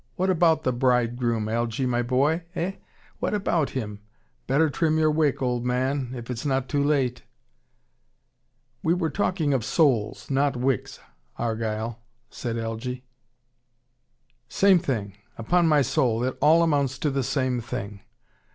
"What about the bridegroom, Algy, my boy? Eh? What about him? Better trim your wick, old man, if it's not too late " "We were talking of souls, not wicks, Argyle," said Algy. "Same thing. Upon my soul it all amounts to the same thing.